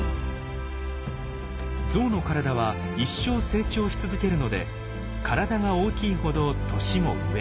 ゾウの体は一生成長し続けるので体が大きいほど年も上。